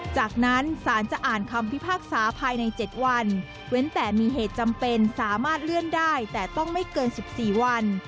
จากนั้นศาลจะอ่านคำพิพากษาภายใน๗วันเว้นแต่มีเหตุจำเป็นสามารถเลื่อนได้แต่ต้องไม่เกิน๑๔วัน